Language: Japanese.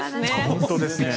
本当ですね。